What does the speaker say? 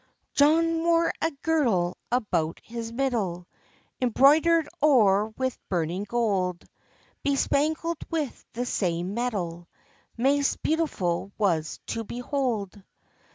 John wore a girdle about his middle, Embroider'd o'er with burning gold, Bespangled with the same metal, Maist beautiful was to behold.